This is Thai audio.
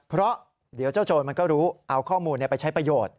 เพราะเดี๋ยวเจ้าโจรมันก็รู้เอาข้อมูลไปใช้ประโยชน์